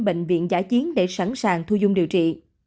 bệnh viện giả chiến để sẵn sàng thu dung điều trị